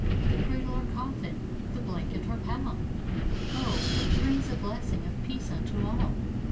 The Cradle or Coffin, the blanket or pall O, which brings a blessing of peace unto all?